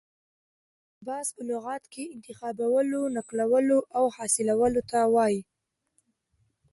اقتباس په لغت کښي انتخابولو، نقلولو او حاصلولو ته وايي.